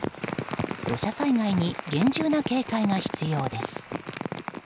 土砂災害に厳重な警戒が必要です。